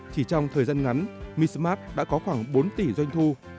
chỉ trong thời gian ngắn mi smart đã có khoảng bốn tỷ doanh thu